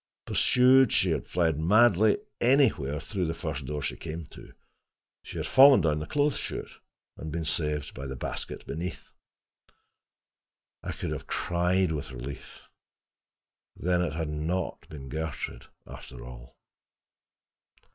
Pursued, she had fled madly, anywhere—through the first door she came to. She had fallen down the clothes chute, and been saved by the basket beneath. I could have cried with relief; then it had not been Gertrude, after all!